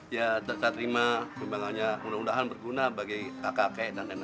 ya saya terima pembahangannya mudah mudahan berguna bagi kakak kakek dan nenek kami